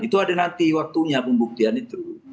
itu ada nanti waktunya pembuktian itu